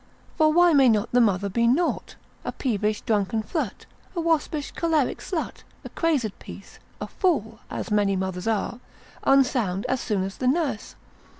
For why may not the mother be naught, a peevish drunken flirt, a waspish choleric slut, a crazed piece, a fool (as many mothers are), unsound as soon as the nurse?